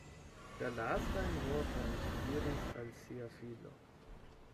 La lastajn vortojn ŝi diris al sia filo.